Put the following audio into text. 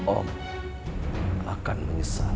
om akan menyesal